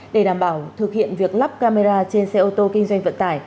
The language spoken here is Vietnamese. để đảm bảo thực hiện việc lắp camera trên xe ô tô kinh doanh vận tải